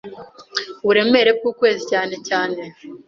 Uburemere bw'ukwezi cyane cyane